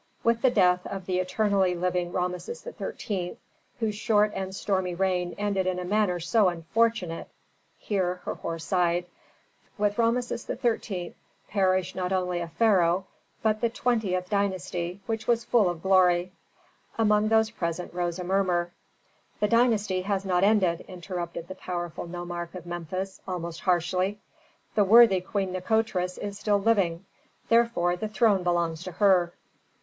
With the death of the eternally living Rameses XIII., whose short and stormy reign ended in a manner so unfortunate " Here Herhor sighed. "With Rameses XIII. perished not only a pharaoh, but the twentieth dynasty, which was full of glory." Among those present rose a murmur. "The dynasty has not ended," interrupted the powerful nomarch of Memphis, almost harshly. "The worthy Queen Nikotris is still living, therefore the throne belongs to her."